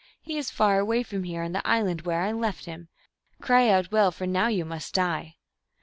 He is far away from here, on the island where I left him. Cry out well, for now you must die